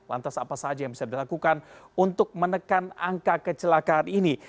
lantas apa saja yang bisa dilakukan untuk menekan angka kecelakaan ini